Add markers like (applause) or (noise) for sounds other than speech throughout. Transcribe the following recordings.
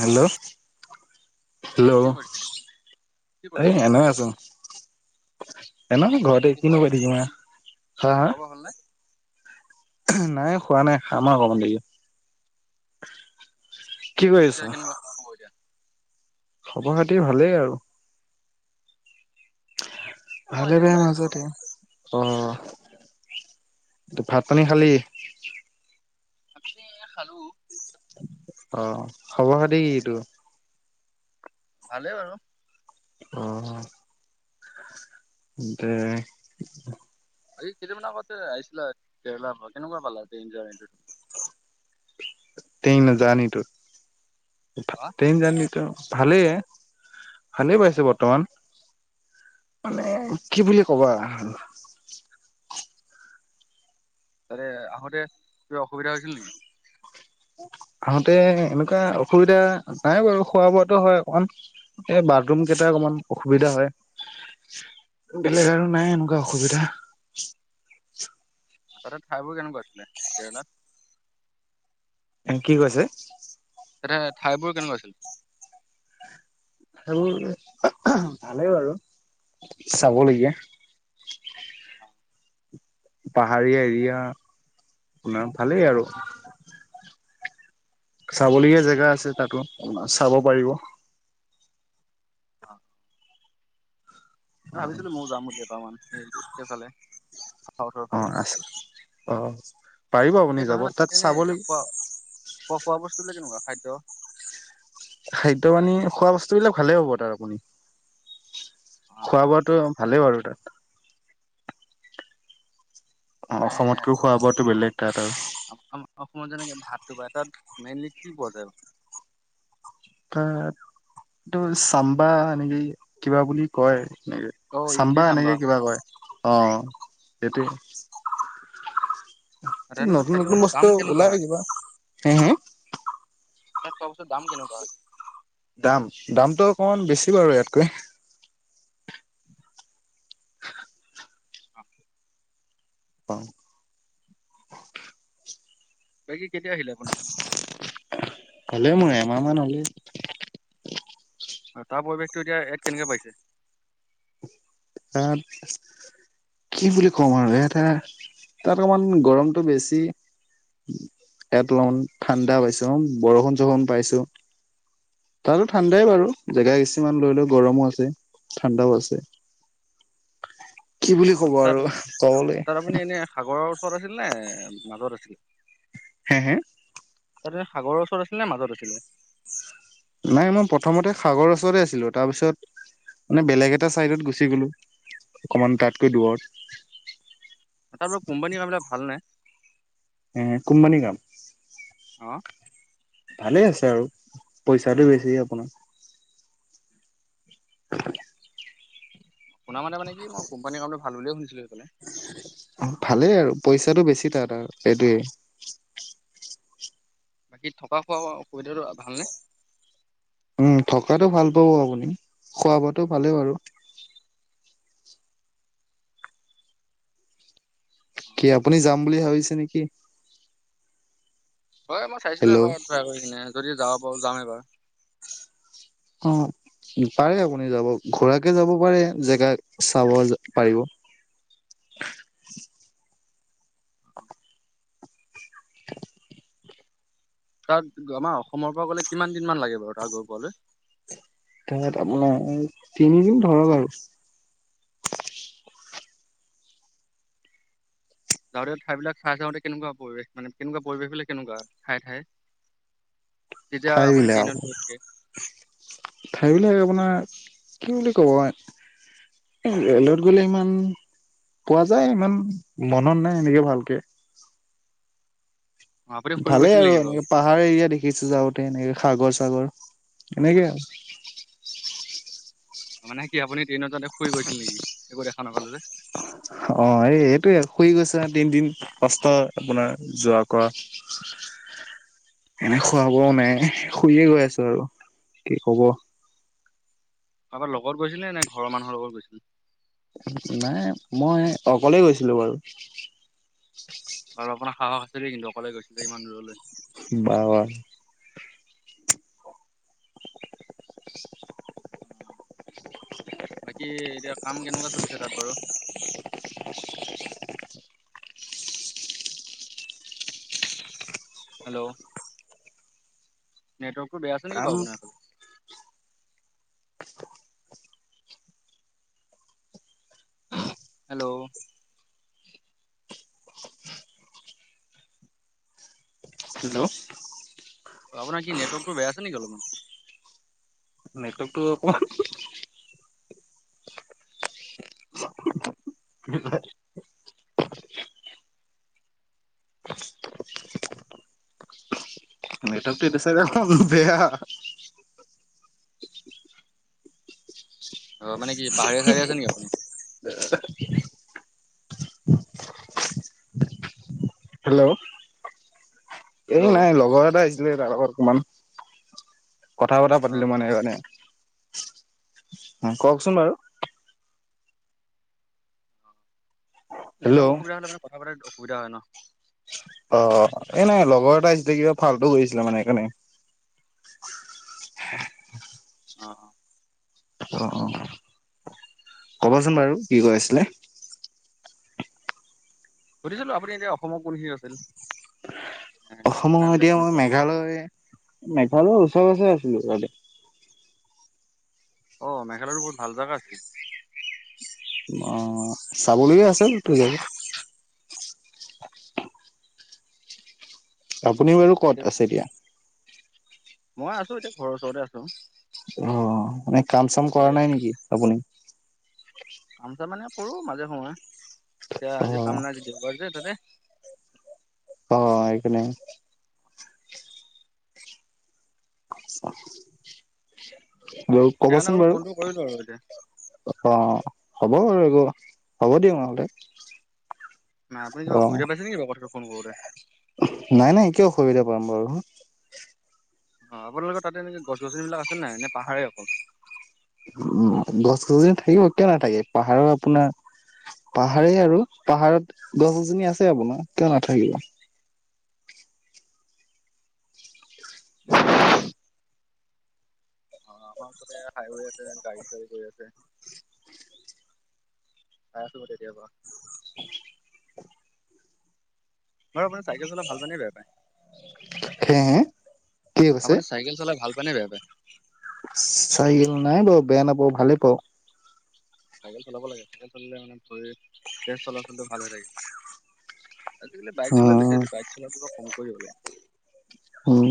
Hello উ কি hello কৰিছে কি এই কৰিছে এতিয়া এনে আপুনি আছো এনে ঘৰতে বাকী খোৱা কিনো কৰি থাকিবা বাকী হাঁ হাঁ খোৱা বোৱা হ'ল নে নাই খোৱা নাই আমাৰ অকমান দেৰিকে। কি বাকি কৰি আছ বিছাকনোৱা হিয়া (unintelligible) খবৰ খাতি ভালেই আৰু এ মই ভালে এনেই বোয়া ওলাই আহিছিলো মাজতে অ ভাত পানী খালি। ভাত পানী খালো অ খবৰ খাতি কি তোৰ? ভালেই বাৰু অঁ দে এই কেইদিনান আগতে আহিছিলা কেৰেলাৰ পৰা কেনেকুৱা পালা ডেনজৰেনটো ট্ৰেইনৰ যানিতো হা ট্ৰেইনৰ যানিতো ভালেই ভালেই পাইছো বৰ্তমান মানে কি বুলি ক'বা। তাতে আহোতে ত অসুবিধা হৈছিল নেকি? আহোতে এনেকুৱা অসুবিধা নাই বাৰু খোৱা বোৱাতো হয় অকমান এই বাথৰুম কেইটা অকমান অসুবিধা হয় বেলেগ আৰু নাই এনেকুৱা অসুবিধা আচলতে ঠাইবোৰ কেনেকুৱা আছিলে কেৰেলাত এ কি কৈছে? তাতে ঠাইবোৰ কেনেকুৱা আছিল সেইবোৰ ভালেই আৰু চাবলগীয়া পাহাৰীয়া এৰিয়া আপোনাৰ ভালেই আৰু চাবলগীয়া জেগা আছে তাতো চাব পাৰিব আহ ভাবিছিলো ময়ো যাম বুলি এপামান সেই সেইফালে চাউথৰ অ ফালে আছে অ পাৰিব আপুনি এই যাব তাত চাব লাগে খ খোৱা বস্তু বিলাক কেনেকুৱা খাদ্য খাদ্য মানি খোৱা বস্তু বিলাক ভালে হ'ব তাৰ আপুনি অ খোৱা অ বোৱাতটো ভালেই বাৰু তাত অ মানে অসমতকৈও খোৱা বোৱটো বেলেগ তাত আৰু মই যেনেকে ভাতটো পাই তাত মেইনলি কি পোৱা যায়। ত এইটো চাম্বা নেকি কিবা বুলি কয়। নে অ' ইডলি চাম্বা এনেকে চাম্বাৰ কিবা কয় অ সেইটোৱে তেনেকুৱা নতুন খাদ্য নতুন বস্তুৰ দাম বস্তু কেনেকুৱা ওলাই হয়? কিবা হে হে। তাত খোৱা বস্তু দাম কেনেকুৱা হয় দাম দামটো অকণমান বেছি বাৰু ইয়াতকৈ, অ। অ। বাকী কেতিয়া আহিলে আপুনি, হলে মোৰ এমাহ মান হলে, তাৰ পৰিৱেশটো এতিয়া ইয়াত কেনেকে পাইছে, তাত কি বুলি কম আৰু এটা তাত অকমান গৰমতটো বেছি এয়াত অলপমান ঠাণ্ডা পাইছো অ বৰষুণ চৰষুণ পাইছো তাতো ঠাণ্ডাই বাৰু জেগা কিছুমান লৈ লও গৰমো আছে ঠাণ্ডাও আছে। কি বুলি অ, ক'ব তাত আৰু কবলৈ, তাত আপুনি এনে সাগৰৰ ওচৰত আছিল নে মাজত আছিল, হে হে, তাত এনে সাগৰৰ ওচৰত আছিলে নে মাজত আছিলে, নাই মই প্ৰথমতে সাগৰ ওচৰতে আছিলো তাৰপিছত, মানে বেলেগ এটা চাইডত গ, গুচি গ'লো অকমান তাতকৈ দৰত, তাৰ পৰা কোম্পানীৰ কামবিলাক ভাল নাই, কোম্পানী কাম, অ। ভালে আছে আৰু পইচাটো বেছি আপোনাৰ। (inaudible) শুনা মানে কি মই কোম্পানী কামটো ভাল বুলিয়ে শুনিছোঁ। পে (inaudible) ভালেই আৰু পইচাটো বেছি তাত আৰু সেইটোৱে, বাকী থকা খোৱা অসুবিধাটো ভালনে? উম থকাতটো ভাল পাব আপুনি খোৱা বোৱাতো ভালেই বাৰু, কি আপুনি যাম বুলি ভাবিছে নেকি? হয় মই চাইছিলো হেল্ল' এবাৰ ট্ৰী কৰি কিনে যদি যাওঁ। ব যাম এবাৰ। অ পাৰে আপুনি যাব ঘোৰাকে যাব পাৰে জেগা চাব পাৰিব। তাত আমাৰ অসমৰ পৰা গ'লে কিমান দিন মান লাগে বাৰু তাত গৈ পোৱালৈ। তাত আপোনাৰ তিনিদিন ধৰক আৰু। যাওঁতে ঠাইবিলাক চাই যাওঁতে কেনেকুৱা পৰিৱেশ মানে কেনেকুৱা পৰিৱেশ বিলাক কেনেকুৱা ঠাই ঠাই। ঠাইবিলাক আ ঠাইবিলাক আপোনাৰ। কি বুলি কব এ ৰেলত গলে ইমান পোৱা যায় ইমান মনত নাই এনেকে ভালকে। অ আপুনি শুই ভালে গৈছিল আৰু নেকি বাৰু এনেকে পাহাৰ এৰিয়া দেখিছো যাওঁতে এনেকে সাগৰ। এনেকে আৰু। মানে কি আপুনি ট্ৰেইনত যাওঁতে শুই গৈছিল নেকি একো দেখা নাপালো যে, অ এই এইটোয়ে শুই গৈছ তিনদিন কষ্ট আপোনাৰ যোৱা কৰা এনে খুৱাবও নাই শুইয়ে গৈ আছো আৰু কি কব। কাৰোবাৰ লগত গৈছিলে নে ঘৰৰ মানুহৰ লগত গৈছিল। নাই মই অকলেই গৈছিলো বাৰু, বাৰু আপোনাৰ সাহস আছিল দেই কিন্তু অকলে গৈছিলে ইমান দূৰলৈ। বাৰ (inaudible) বাকি এতিয়া। কাম কেনেকুৱা চলিছে তাত বাৰু, হেল্ল' নেটৱৰ্ক বেয়াছে নেকি কাম বাও আপোনাৰ হেল্ল' হেল্ল' আপোনাৰ কি নেটৱৰ্কটো বেয়া আছে নেকি অলপ নেটৱৰ্কতটো অকমান নেটৱৰ্ক টো এইটো সাইদে অলপ বেয়া। অ মানে কি পাহাৰে চাহাৰে আছে নেকি আপুনি? হেল্ল' হেল্ল' এই অ নাই লগৰ এটা তাৰ লগত অকমান কথা বতৰা পাতিলো মানে সেইকাৰণে কওকচোন বাৰু হেল্ল' নেটৱৰ্ক অ অসুবিধা হ'লে মানে কথা পতাই অসুবিধা হয় ন অ এ নাই লগৰ এটা আহিছিলে কিবা ফাল্টো কৰিছিলে মানে সেইকাৰণে। অঁ অঁ অঁ কবচোন বাৰু কি কৈ আছিলে? সুধিছিলো আপুনি এতিয়া অসমৰ কোনখিনিত আছে? অসমৰ এতিয়া মই মেঘালয় মেঘ। হ উচৰে পাছৰে আছো কালি অ মেঘালয় বহুত ভাল জাগা আছিল। অ চাবলেগে আছে। চটো যাব আপুনি বাৰু ক'ত আছে এতিয়া। উ (unintelligible) মই আছো এতিয়া ঘৰৰ ওচৰতে আছো। অ মানে কাম আজি চাম তাতে কৰা নাই নেকি আপুনি? কাম চাম মানে কৰোঁ মাজে সময়ে। তেতিয়া আজি অ', কাম নাই দেও বাৰ যে তাতে অ এইকাৰনে ব সেইকাৰণে কবচোন বোলো বাৰু ফোনটো কৰিলো আৰু এতিয়া অ হ'ব বাৰু হ'ব দিয়ক নহলে। নাই আপুনি কিবা অ', অসুবিধা পাইছে নেকি বাও কথা ফোন কৰোঁতে নাই নাই কিয় অসুবিধা পাম বাৰু হ অ আপোনালোকৰ তাতে এনেকে গছ গছনিবিলাক আছে নে নাই? পাহাৰে আছে। উ গছ গছনি থাকিব কিয় নাথাকে পাহাৰৰ আপোনাৰ পাহাৰেই আৰু পাহাৰত গছ গছনি আছে আপোনাৰ কিয় নাথাকিব। অ আমাৰ ওচৰতে হাইৱে আছে গাড়ী চাড়ী গৈ আছে চাই আছো মই তেতিয়া পৰা। বাৰু আপোনি চাইকেল চলাই ভাল পায় নে বেয়া পায়। হে হে? কি কৈছে? আপুনি চাইকেল (unintelligible) বেয়া পায়। চাইকেল নাই বাৰু বেয়া নাপাওঁ ভালে পাওঁ। চাইকেল চলাব লাগে চাইকেল চলালে মানে ভৰিৰ তেজ চলাচলটো ভাল হৈ থাকে। আজিকালি বাইক চলোৱা বেছি উম, হৈছে। বাইক চলোৱা টোও (unintelligible) উম,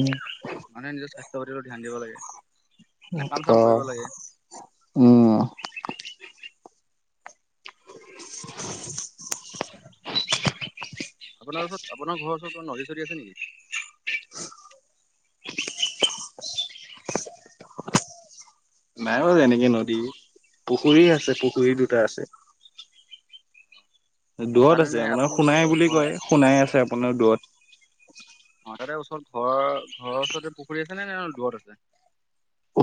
মানুহে নিজৰ স্বাস্থ্যৰ প্ৰতি তো ধ্যান দিব লাগে। মানে কাম চাম অ', কৰিব লাগে। উম, আপোনাৰ ওচৰত আপোনাৰ ঘৰৰ ওচৰত কিবা নদী চদী আছে নেকি? নাই বাৰু এনেকে নদী, পুখুৰী আছে পুখুৰী দুটা আছে। দূৰত তাতে নে আছে। আপোনাৰ আপোনালোকৰ সোণাই বুলি ঘৰৰ কয় সোণাই আছে আপোনাৰ দূৰত। অ তাতে ওচৰত ঘৰ- ঘৰৰ ওচৰতে পুখুৰী আছে নে? নে দূৰত আছে?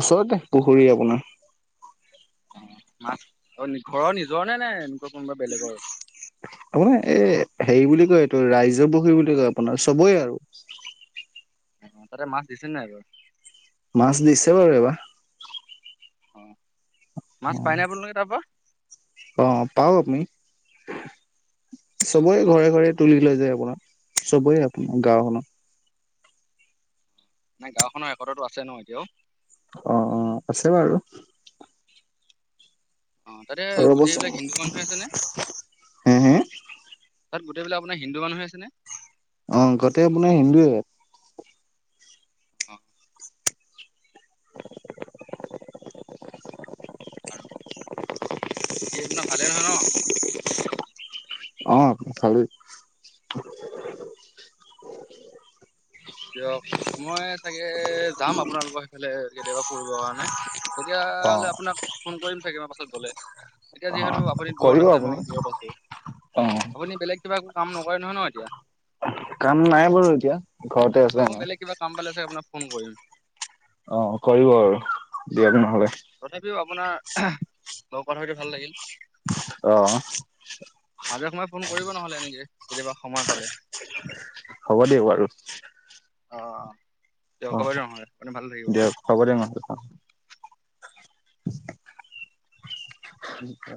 ওচৰতে পুখুৰী আপোনাৰ। মাছ। অনি ঘৰৰ নিজৰ নে নে? এনেকুৱা কোনোবা বেলেগৰ? আপোনাৰ এই হেৰি বুলি কয় এইটো ৰাইজৰ পুখুৰী বুলি কয় আপোনাৰ চবৰে আৰু। তাতে মাছ দিছে নাই এইবাৰ? মাছ দিছে বাৰু এইবাৰ। (inaudible) মাছ পাই নে আপোনালোকে তাৰ পৰা? অ। পাও (unintelligible) চবৰে ঘৰে ঘৰে। তুলি লৈ যায় আপোনাৰ। চবৰে আপোনা- গাওঁখনৰ। নাই গাঁওখনৰ একতাটো আছে ন এতিয়াও? অ' অ' আছে বাৰু। অ' তাতে ৰ'বচোন গোটেইবিলাক হিন্দু মানুহে আছে নে? হে হে তাত গোটেই বিলাক আপোনাৰ হিন্দু মানুহে আছেনে? অ' গতে আপোনাৰ হিন্দুৱে ইয়াত। অ'। আৰু। বাকী আপোনাৰ ভালে নহয় ন? অ' ভালেই। দিয়ক। মই চাগে যাম আপোনালোকৰ সেইফালে কেতিয়াবা ফুৰিব কাৰণে। অ তেতিয়াহ'লে আপোনাক ফোন কৰিম চাগে মই পাছ গলে। এতিয়া অ যিহেতু তু আপুনি কৰিব দূৰত আছে আপুনি মই দূৰত আছো অ আপুনি বেলেগ কিবা একো কাম নকৰে নহয় ন এতিয়া? কাম নাই বাৰু এতিয়া। ঘৰতে আছে ন। (unintelligible) বেলেগ কিবা কাম পালে। আপোনাক ফোন কৰিম। অ কৰিব আৰু দিয়ক নহলে। তথাপিও আপোনাৰ লগত কথা পাতি ভাল লাগিল। অহ। মাজে সময়ে ফোন কৰিব নহলে এনেকে কেতিয়াবা সময় পালে। হ'ব দিয়ক বাৰু। অ দিয়ক অ হ'ব দিয়ক নহ'লে আপুনি ভালে থাকিব দিয়ক হব দিয়ক নহ'লে ঠে (inaudible)